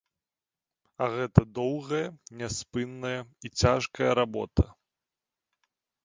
А гэта доўгая, няспынная і цяжкая работа.